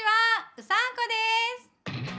うさんこです！